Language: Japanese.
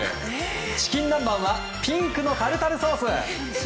チキン南蛮はピンクのタルタルソース。